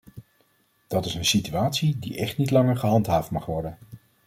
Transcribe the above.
Dat is een situatie die echt niet langer gehandhaafd mag worden!